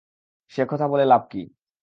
সে কথা বলে লাভ কী।